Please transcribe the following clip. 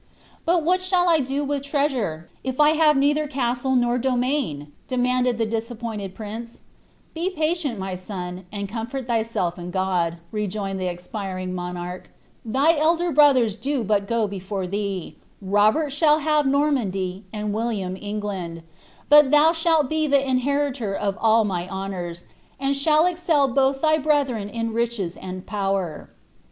"But what shall I do with tieasure, if I ha*e neither e&stle not domain V demanded the disappomied prince, " Be paiieDt, my son, and comfort tjiyself in God," rejoined ih* expiring monarch ;''' Ihy elder brotliers do but go before thee : llobcn ■lioll iuive Iforniandy, and Wdli&ni Englruid ; but thou shall be tht inheritor of all uiy honours, and shall excial botli tity brethren in tichr« ■ud power."